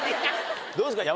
どうですか？